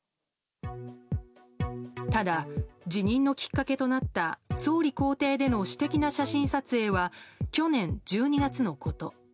ただ、辞任のきっかけとなった総理公邸での私的な写真撮影は去年１２月のこと。